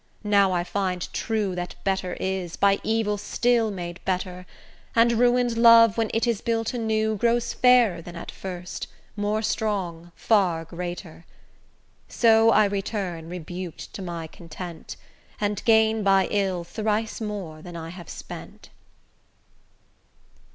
now I find true That better is, by evil still made better; And ruin'd love, when it is built anew, Grows fairer than at first, more strong, far greater. So I return rebuk'd to my content, And gain by ill thrice more than I have spent.